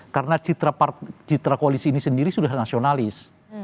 karena citra koalisi ini sendiri sudah nasionalis